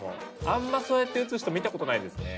あんまそうやって打つ人見たことないですね。